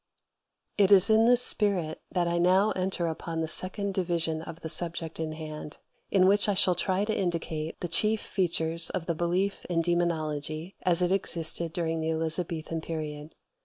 35. It is in this spirit that I now enter upon the second division of the subject in hand, in which I shall try to indicate the chief features of the belief in demonology as it existed during the Elizabethan period.